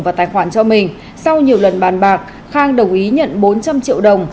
và tài khoản cho mình sau nhiều lần bàn bạc khang đồng ý nhận bốn trăm linh triệu đồng